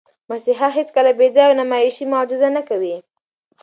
مسیحا هیڅکله بېځایه او نمایشي معجزه نه کوي.